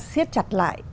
xét chặt lại